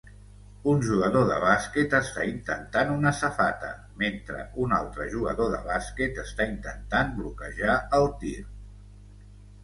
Un jugador de bàsquet està intentant una safata mentre un altre jugador de bàsquet està intentant bloquejar el tir.